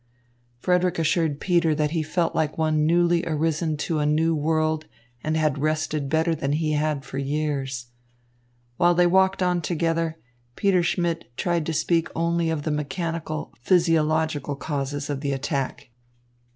Frederick assured Peter that he felt like one newly arisen to a new world and had rested better than he had for years. While they walked on together, Peter Schmidt tried to speak only of the mechanical, physiological causes of the attack.